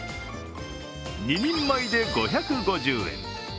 ２人前で５５０円。